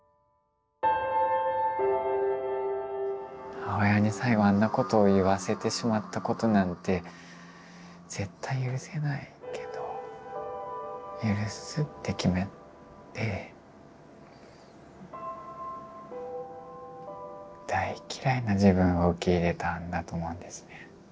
母親に最後あんなことを言わせてしまったことなんて絶対許せないけど許すって決めて大嫌いな自分を受け入れたんだと思うんですね。